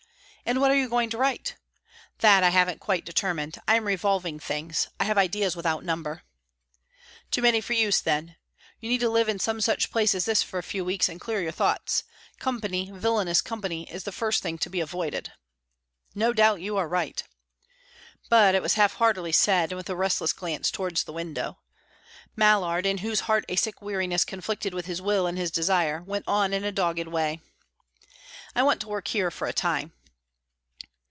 "And what are you going to write?" "That I haven't quite determined. I am revolving things. I have ideas without number." "Too many for use, then. You need to live in some such place as this for a few weeks, and clear your thoughts. 'Company, villainous company,' is the first thing to be avoided." "No doubt you are right" But it was half heartedly said, and with a restless glance towards the window. Mallard, in whose heart a sick weariness conflicted with his will and his desire, went on in a dogged way. "I want to work here for a time."